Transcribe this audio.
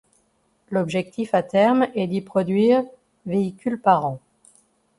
L'objectif à terme est d'y produire véhicules par an.